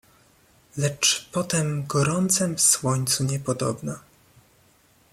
"Lecz po tem gorącem słońcu niepodobna."